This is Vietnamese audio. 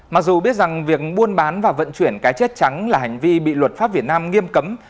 mặc dù biết rằng việc buôn bán và vận chuyển cá chết trắng là hành vi bị luật pháp việt nam nghiêm cấm